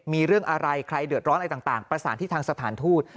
มีเรื่องอะไรใครเดือดร้อนอะไรต่างประสานที่ทางสถานทูต